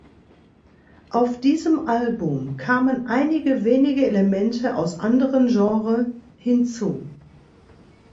Auf diesem Album kamen einige wenige Elemente aus anderen Genres hinzu.